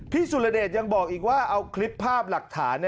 สุรเดชยังบอกอีกว่าเอาคลิปภาพหลักฐาน